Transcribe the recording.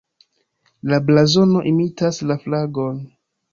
La blazono imitas la flagon.